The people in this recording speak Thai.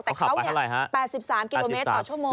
แต่เขา๘๓กิโลเมตรต่อชั่วโมง